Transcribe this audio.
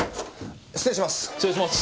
失礼します。